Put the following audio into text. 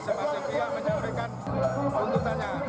karena masyarakat menyebarkan tuntutannya